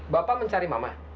bapak mencari mama